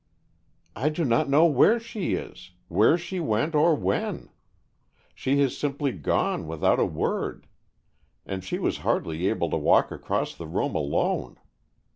"I do not know where she is, where she went or when. She has simply gone without a word. And she was hardly able to walk across the room alone.